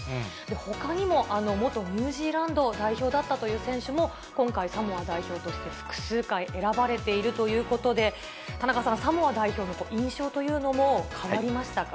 ほかにも、あの元ニュージーランド代表だったという選手も、今回、サモア代表として複数回選ばれているということで、田中さん、サモア代表の印象というのも変わりましたか。